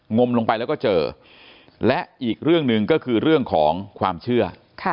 งมลงไปแล้วก็เจอและอีกเรื่องหนึ่งก็คือเรื่องของความเชื่อ